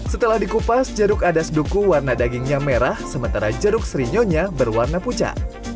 setelah dikupas jeruk adas duku warna dagingnya merah sementara jeruk srinyonya berwarna pucat